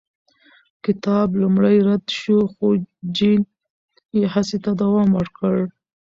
کتاب لومړی رد شو، خو جین یې هڅې ته دوام ورکړ.